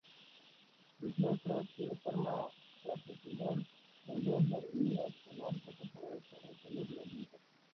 El claustro tiene forma trapezoidal con dos galerías con arcos apoyados sobre columnas lisas.